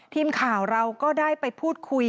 ทีมข่าวเราก็ได้ไปพูดคุย